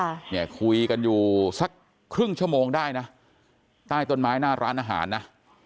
เนี่ยคุยกันอยู่สักครึ่งชั่วโมงได้นะใต้ต้นไม้หน้าร้านอาหารนะ